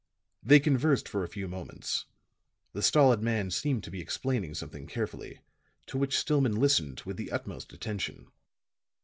They conversed for a few moments; the stolid man seemed to be explaining something carefully, to which Stillman listened with the utmost attention.